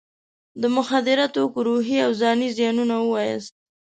د مخدره توکو روحي او ځاني زیانونه ووایاست.